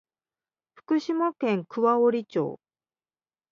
福島県桑折町